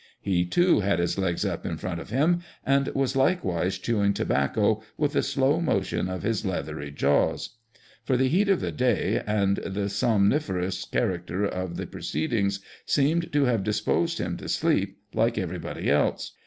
He, too, had his legs up in front of him, and was likewise chew ing tobacco with a slow motion of his leathery jaws ; for the heat of the day and the somnife rous character of the proceedings seemed to have disposed him to sleep, like everybody else.